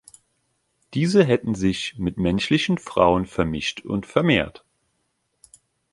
Diese hätten sich mit menschlichen Frauen vermischt und vermehrt.